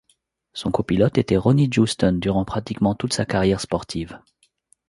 Son copilote était Ronny Joosten, durant pratiquement toute sa carrière sportive.